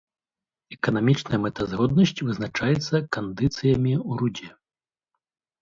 Эканамічная мэтазгоднасць вызначаецца кандыцыямі ў рудзе.